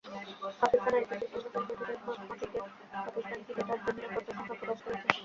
পাকিস্তান আইসিসির সর্বশেষ বৈঠকেই ভারতের মাটিতে পাকিস্তানি ক্রিকেটারদের নিরাপত্তার শঙ্কা প্রকাশ করেছে।